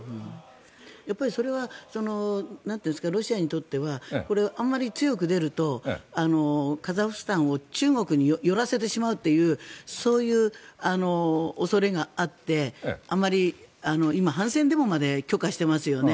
それはロシアにとってはあまり強く出るとカザフスタンを中国に寄らせてしまうというそういう恐れがあってあまり今、反戦デモまで許可してますよね。